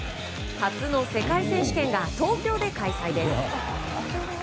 初の世界選手権が東京で開催です。